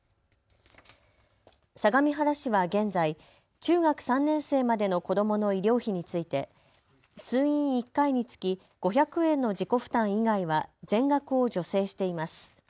相模原市は現在、中学３年生までの子どもの医療費について通院１回につき５００円の自己負担以外は全額を助成しています。